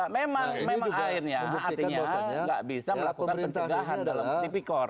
memang airnya hatinya tidak bisa melakukan pencegahan dalam tipik kor